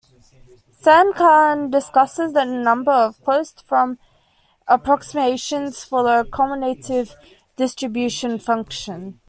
Sankaran discusses a number of closed form approximations for the cumulative distribution function.